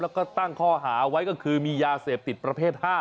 แล้วก็ตั้งข้อหาไว้ก็คือมียาเสพติดประเภท๕